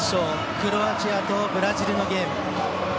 クロアチアとブラジルのゲーム。